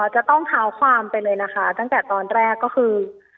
จะต้องเท้าความไปเลยนะคะตั้งแต่ตอนแรกก็คือ